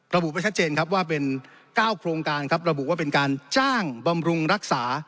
ระบุไว้ชัดเจนครับว่าเป็น๙โครงการครับระบุว่าเป็นการจ้างบำรุงรักษา